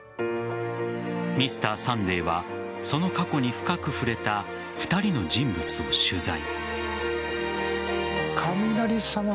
「Ｍｒ．サンデー」はその過去に深く触れた２人の人物を取材。